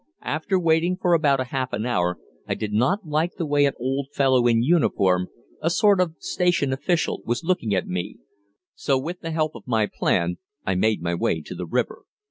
After waiting for about half an hour I did not like the way an old fellow in uniform, a sort of station official, was looking at me, so with the help of my plan I made my way to the river.